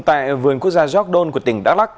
tại vườn quốc gia jogdol của tỉnh đắk lắc